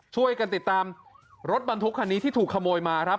ช่วยกันติดตามรถบรรทุกคันนี้ที่ถูกขโมยมาครับ